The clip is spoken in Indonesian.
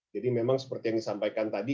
jadi memang seperti yang disampaikan tadi